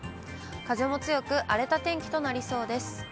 風も強く、荒れた天気となりそうです。